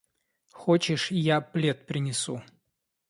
Хочешь, я плед принесу?